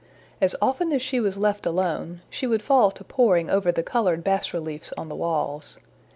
As often as she was left alone, she would fall to poring over the colored bas reliefs on the walls.